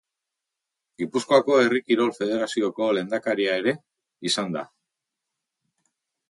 Gipuzkoako Herri Kirol Federazioko lehendakaria ere izan da.